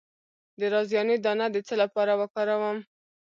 د رازیانې دانه د څه لپاره وکاروم؟